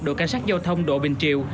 đội cảnh sát giao thông độ bình triều